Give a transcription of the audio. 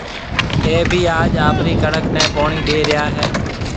اَي ڀِي آج آپرِي ڪڻڪ نَي پوڻِي ڏيَ ريا هيَ۔